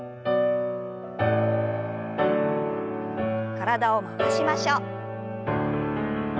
体を回しましょう。